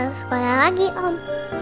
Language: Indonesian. tersebut lagi om